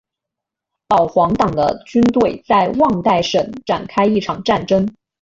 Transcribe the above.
保皇党的军队在旺代省展开一场战争。